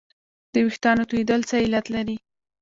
د وېښتانو تویدل څه علت لري